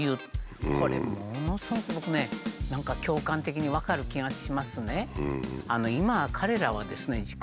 これものすごく僕ね何か共感的に分かる気がしますね。